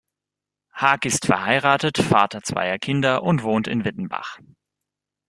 Haag ist verheiratet, Vater zweier Kinder und wohnt in Wittenbach.